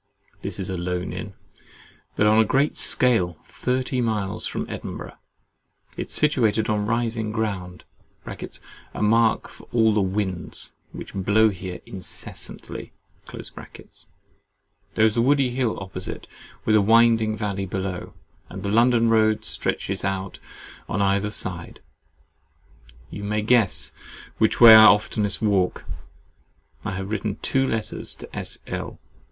This is a lone inn, but on a great scale, thirty miles from Edinburgh. It is situated on a rising ground (a mark for all the winds, which blow here incessantly)—there is a woody hill opposite, with a winding valley below, and the London road stretches out on either side. You may guess which way I oftenest walk. I have written two letters to S. L.